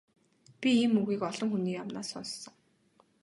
Би ийм үгийг олон хүний амнаас сонссон.